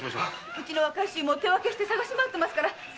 うちの若い衆も捜し回ってますから。